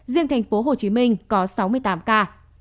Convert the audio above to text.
riêng thành phố hồ chí minh có sáu mươi tám ca